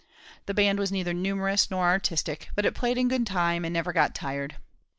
The band was neither numerous nor artistic, but it played in good time, and never got tired.